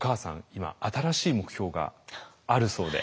今新しい目標があるそうで。